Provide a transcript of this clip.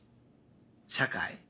社会？